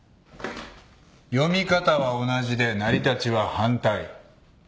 読み方は同じで成り立ちは反対。